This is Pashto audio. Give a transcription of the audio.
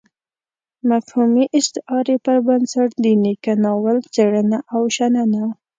مفهومي استعارې پر بنسټ د نيکه ناول څېړنه او شننه.